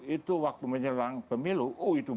itu waktu menyerang pemilu oh itu